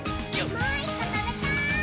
もう１こ、たべたい！